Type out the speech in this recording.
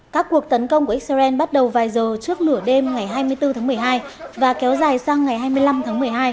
các cuộc tấn công của israel bắt đầu vài giờ trước lửa đêm ngày hai mươi bốn tháng một mươi hai và kéo dài sang ngày hai mươi năm tháng một mươi hai